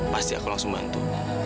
pasti aku langsung bantu